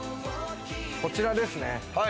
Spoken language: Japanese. こちらですね。